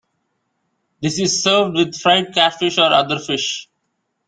This is served with fried catfish or other fish.